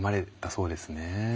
そうですね。